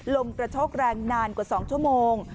ลมกระโชกแรงนานกว่า๒ชั่วโมง